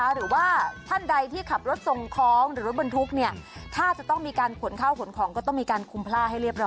หรือว่าท่านใดที่ขับรถส่งของหรือรถบรรทุกเนี่ยถ้าจะต้องมีการขนข้าวขนของก็ต้องมีการคุมพล่าให้เรียบร